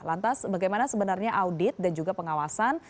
lantas bagaimana sebenarnya audit dan juga pengawasan